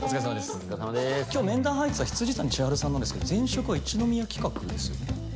今日面談入ってた未谷千晴さんなんですけど前職は一之宮企画ですよね。